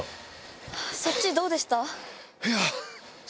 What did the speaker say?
そっちどうでした？